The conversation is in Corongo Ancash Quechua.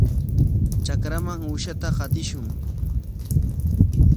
Trakraman uushata qatishun.